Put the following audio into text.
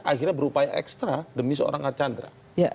akhirnya berupaya ekstra demi seorang archandra